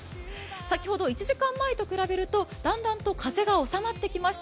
先ほど１時間前と比べるとだんだんと風がおさまってきました。